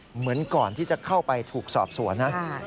เหมือนก่อนที่จะเข้าไปถูกสอบสวนนะ